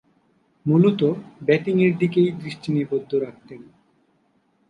মূলতঃ ব্যাটিংয়ের দিকেই দৃষ্টি নিবদ্ধ রাখতেন।